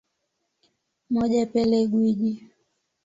Moja Pele Gwiji